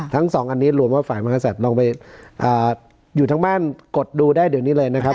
สองอันนี้รวมว่าฝ่ายมหาศัตริย์ลองไปอยู่ทั้งบ้านกดดูได้เดี๋ยวนี้เลยนะครับ